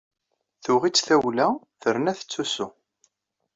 Tuɣ-itt tawla terna tettusu.